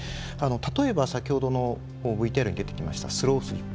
例えば先ほどのＶＴＲに出てきましたスロースリップ。